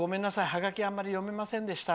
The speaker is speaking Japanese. ハガキあんまり読めませんでした。